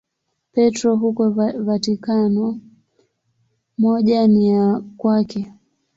Petro huko Vatikano, moja ni ya kwake.